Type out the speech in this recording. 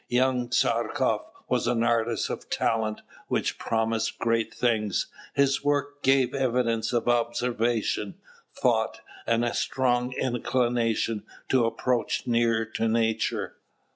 Young Tchartkoff was an artist of talent, which promised great things: his work gave evidence of observation, thought, and a strong inclination to approach nearer to nature.